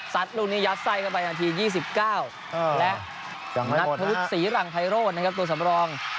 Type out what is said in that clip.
ลูกนี้ยัดไส้เข้าไปนาที๒๙และนัทธวุฒิศรีหลังไพโรธนะครับตัวสำรอง